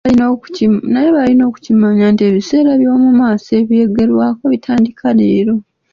Naye balina okukimanya nti ebiseera eby'omumaaso ebyogerwako bitandika leero .